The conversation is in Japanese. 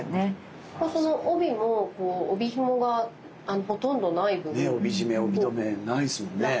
その帯も帯ひもがほとんどない分楽な。